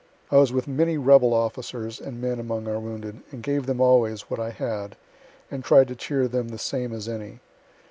I was with many rebel officers and men among our wounded, and gave them always what I had, and tried to cheer them the same as any.